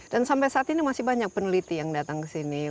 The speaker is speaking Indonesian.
dan sampai saat ini masih banyak peneliti yang datang kesini